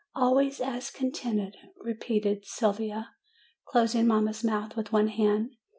"Always as contented," repeated Sylvia, closing mamma's mouth with one hand.